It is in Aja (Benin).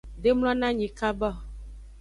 De mlonanyi kaba.